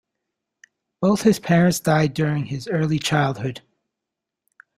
Both his parents died during his early childhood.